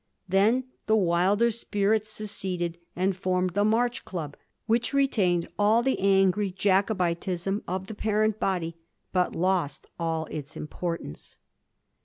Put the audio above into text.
Then the wilder spirits seceded, and formed the March Club, which retained all the angry Jacob itism of the parent body, but lost all its importance.